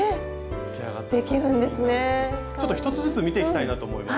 ちょっと１つずつ見ていきたいなと思います。